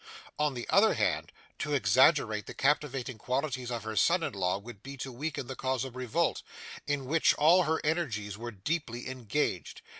On the other hand, to exaggerate the captivating qualities of her son in law would be to weaken the cause of revolt, in which all her energies were deeply engaged.